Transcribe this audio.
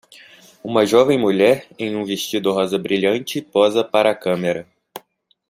Uma jovem mulher em um vestido rosa brilhante posa para a câmera.